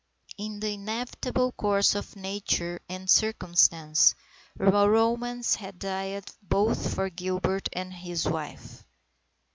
In the inevitable course of nature and circumstance romance had died both for Gilbert and his wife.